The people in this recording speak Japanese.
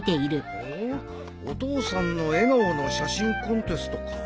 ほお父さんの笑顔の写真コンテストか。